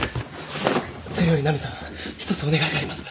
それよりナミさん一つお願いがあります。